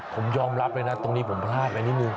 ผมยอมรับเลยนะตรงนี้ผมพลาดไปนิดนึง